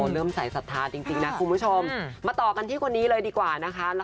เริ่มใส่ศรัทธาจริงนะคุณผู้ชมมาต่อกันที่คนนี้เลยดีกว่านะคะ